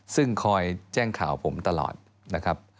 ซึ่งคอยแจ้งข่าวผมตลอดนะครับ